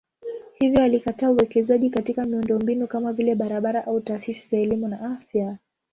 Hivyo alikataa uwekezaji katika miundombinu kama vile barabara au taasisi za elimu na afya.